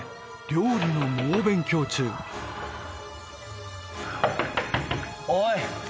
料理の猛勉強中おい！